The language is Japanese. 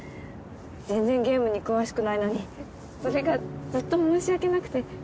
全然ゲームに詳しくないのにそれがずっと申し訳なくて。